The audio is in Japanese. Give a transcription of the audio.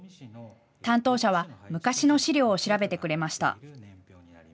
担当者は昔の資料を調べてくれました。